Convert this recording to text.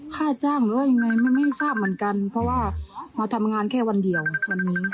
ค่าจ้างหรือว่ายังไงไม่ทราบเหมือนกันเพราะว่ามาทำงานแค่วันเดียววันนี้